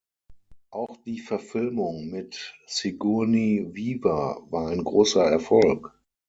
Auch die Verfilmung mit Sigourney Weaver war ein großer Erfolg.